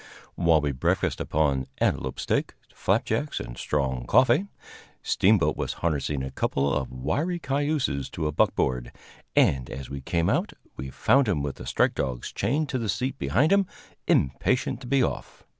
While we breakfasted upon antelope steak, flapjacks and strong coffee, Steamboat was harnessing a couple of wiry cayuses to a buckboard, and, as we came out, we found him with the strike dogs chained to the seat behind him, impatient to be off.